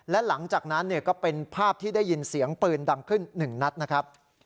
และหลังจากนั้นก็เป็นภาพที่ได้ยินเสียงปืนดังขึ้น๑นัดนะครับ